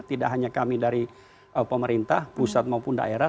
tidak hanya kami dari pemerintah pusat maupun daerah